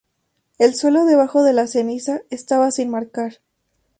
El suelo debajo de la ceniza estaba sin marcar.